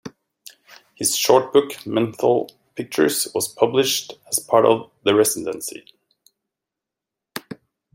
His short book "Menthol Pictures" was published as part of the residency.